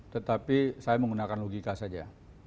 tetapi saya menggunakan logika saja